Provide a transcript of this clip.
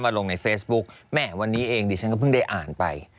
ลงในเฟซบุ๊กแม่วันนี้เองดิฉันก็เพิ่งได้อ่านไป